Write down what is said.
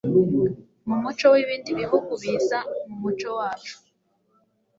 mu muco w'ibindi bihugu biza mu muco wacu